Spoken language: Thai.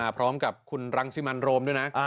พร้อมกับคุณรังสิมันโรมด้วยนะ